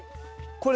これ。